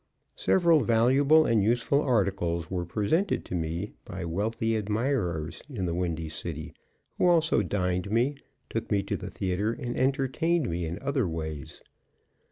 Several valuable and useful articles were presented to me by wealthy admirers in the Windy City, who also dined me, took me to the theatre and entertained me in other ways.